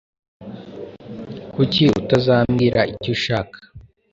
Kuki utazambwira icyo ushaka?